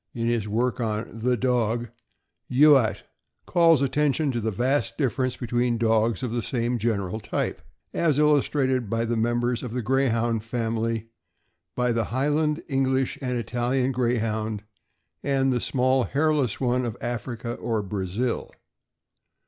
In his work on "The Dog," Youatt calls attention to the vast difference between dogs of the same general type, as illustrated in the members of the Greyhound family by the Highland, English, and Italian Greyhound, and the " small hairless one of Africa or Brazil."